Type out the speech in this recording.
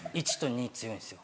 ２強いんですよ。